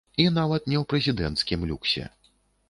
І нават не ў прэзідэнцкім люксе.